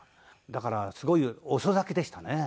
だからすごい遅咲きでしたね。